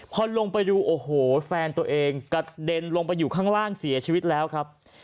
พอลงไปดูโอ้โหแฟนตัวเองกระเด็นลงไปอยู่ข้างล่างเสียชีวิตแล้วครับ